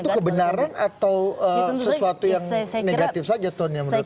tapi itu kebenaran atau sesuatu yang negatif saja tuan yang menurut anda